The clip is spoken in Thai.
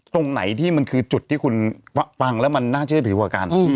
ตรงไหนที่มันคือจุดที่คุณฟังแล้วมันน่าเชื่อถือกว่ากัน